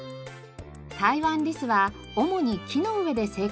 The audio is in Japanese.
タイワンリスは主に木の上で生活します。